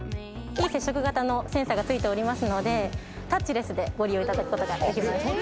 非接触型のセンサーが付いておりますのでタッチレスでご利用いただくことができます。